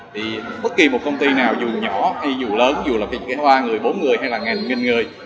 thì bất kỳ một công ty nào dù nhỏ hay dù lớn dù là cái hoa người bốn người hay là ngàn nghìn người